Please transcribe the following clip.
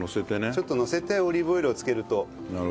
ちょっとのせてオリーブオイルをつけると。